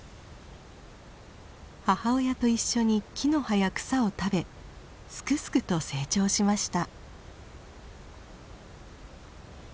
母親と一緒に木の葉や草を食べすくすくと成長しました。